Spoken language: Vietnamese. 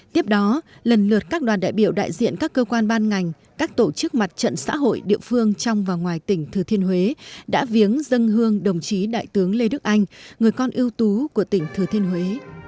tiếp đó lần lượt các đoàn đại biểu đại diện các cơ quan ban ngành các tổ chức mặt trận xã hội địa phương trong và ngoài tỉnh thừa thiên huế đã viếng dân hương đồng chí đại tướng lê đức anh người con ưu tú của tỉnh thừa thiên huế